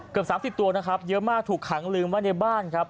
เกือบ๓๐ตัวนะครับเยอะมากถูกขังลืมไว้ในบ้านครับ